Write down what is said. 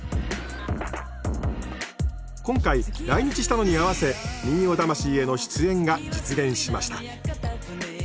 今回来日したのに合わせ「民謡魂」への出演が実現しました。